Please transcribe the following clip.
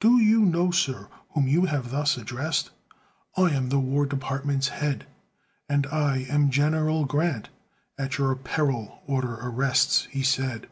"Do you know, sir, whom you have thus addressed? I am the War Department's head " "And I am General Grant! At your peril order arrests!" he said.